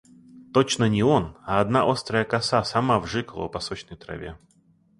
Точно не он, а одна острая коса сама вжикала по сочной траве.